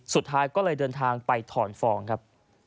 สุดท้ายก็เลยเดินทางไปถอนฟองครับ